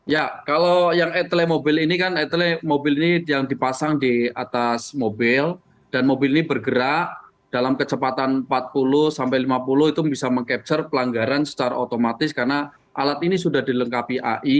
ya kalau yang etele mobil ini kan etele mobil ini yang dipasang di atas mobil dan mobil ini bergerak dalam kecepatan empat puluh sampai lima puluh itu bisa meng capture pelanggaran secara otomatis karena alat ini sudah dilengkapi ai